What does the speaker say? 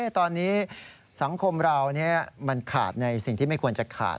ตอนนี้สังคมเรามันขาดในสิ่งที่ไม่ควรจะขาด